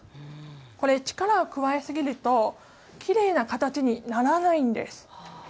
これ力を加えすぎるときれいな形にならないんです。